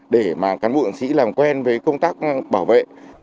để cán bụng sĩ làm quen với công tác bảo vệ